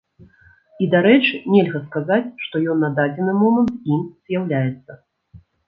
І, дарэчы, нельга сказаць, што ён на дадзены момант ім з'яўляецца.